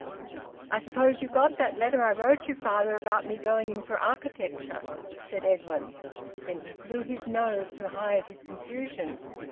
"I suppose you got that letter I wrote you, father, about me going in for architecture," said Edwin. Then he blew his nose to hide his confusion.